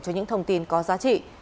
cho những thông tin có giá trị